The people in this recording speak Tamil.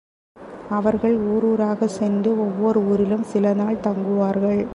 அவர்கள் ஊர் ஊராகச் சென்று, ஒவ்வோர் ஊரிலும் சில நாள்கள் தங்குவார்கள்.